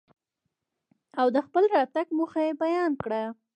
او دخپل راتګ موخه يې بيان کره.